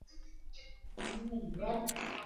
Kuna miti ya mafuta mikangara shamba na mingineyo